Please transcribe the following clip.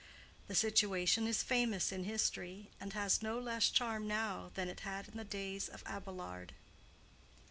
The situation is famous in history, and has no less charm now than it had in the days of Abelard.